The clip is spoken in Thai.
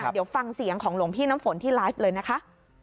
เดี๋ยวฟังเสียงของหลวงพี่น้ำฝนที่ไลฟ์เลยนะคะ